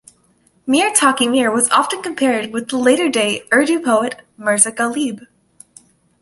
Mir Taqi Mir was often compared with the later day Urdu poet, Mirza Ghalib.